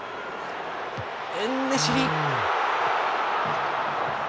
エンネシリ。